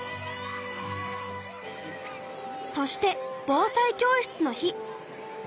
そして防災教室の日。